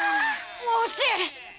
惜しい！